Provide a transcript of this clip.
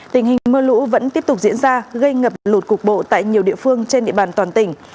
tình hình mưa lũ vẫn tiếp tục diễn ra gây ngập lụt cục bộ tại nhiều địa phương trên địa bàn toàn tỉnh